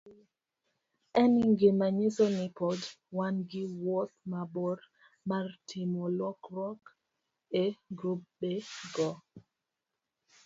En gima nyiso ni pod wan gi wuoth mabor mar timo lokruok e grubego,